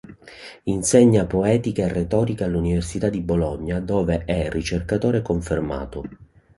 Insegna poetica e retorica all'Università di Bologna, dove è ricercatore confermato.